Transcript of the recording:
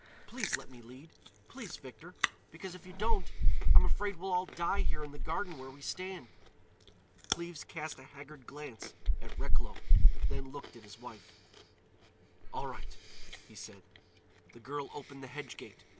Please let me lead! Please, Victor. Because, if you don't, I'm afraid we'll all die here in the garden where we stand." Cleves cast a haggard glance at Recklow, then looked at his wife. "All right," he said. The girl opened the hedge gate.